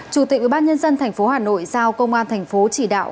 chủ tịch ubnd tp hà nội giao công an thành phố chỉ đạo